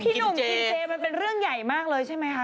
หนุ่มกินเจมันเป็นเรื่องใหญ่มากเลยใช่ไหมคะ